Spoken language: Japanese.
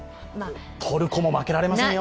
トルコも負けられませんよ。